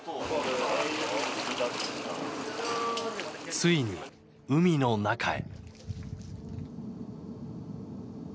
ついに海の中へ。